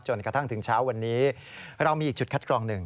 กระทั่งถึงเช้าวันนี้เรามีอีกจุดคัดกรองหนึ่ง